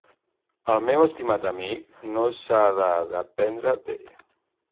El meu estimat amic, no s'ha de dependre d'ell.